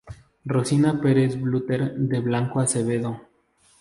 Rosina Perez Butler de Blanco Acevedo.